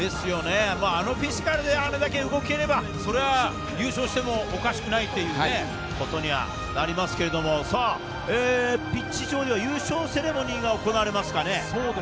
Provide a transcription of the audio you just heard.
あのフィジカルであれだけ動ければ、そりゃあ優勝してもおかしくないということにはなりますけれども、ピッチ上では優勝セレモニーが行われますかね。